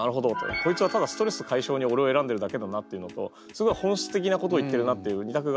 こいつはただストレス解消に俺を選んでるだけだなっていうのとすごい本質的なことを言ってるなっていう２択があって。